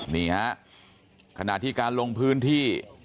นี่ฮะขณะที่การลงพื้นที่